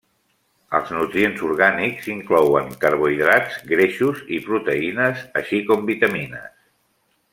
Els nutrients orgànics inclouen carbohidrats, greixos i proteïnes, així com vitamines.